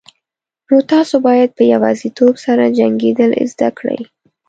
نو تاسو باید په یوازیتوب سره جنگیدل زده کړئ.